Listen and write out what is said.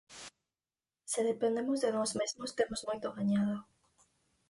Se dependemos de nós mesmos temos moito gañado.